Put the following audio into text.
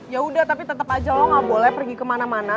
yaudah tapi tetep aja lo gak boleh pergi kemana mana